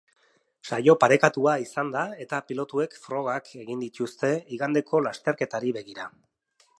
Saio parekatua izan da eta pilotuek frogak egin dituzte igandeko lasterketari begira.